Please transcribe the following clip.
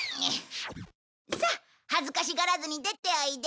さあ恥ずかしがらずに出ておいで。